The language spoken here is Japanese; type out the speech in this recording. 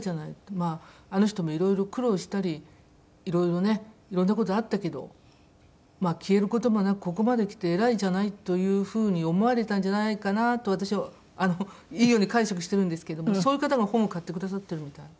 まああの人もいろいろ苦労したりいろいろねいろんな事あったけど消える事もなくここまできて偉いじゃないという風に思われたんじゃないかな？と私はいいように解釈してるんですけどもそういう方が本を買ってくださってるみたい。